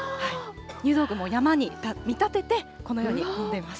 入道雲を山に見立ててこのように呼んでいます。